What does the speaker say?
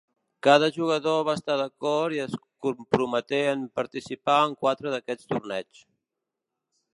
Cada jugador va estar d'acord i es comprometé en participar en quatre d'aquests torneigs.